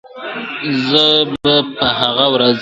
زه به په هغه ورځ !.